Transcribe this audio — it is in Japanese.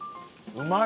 うまい！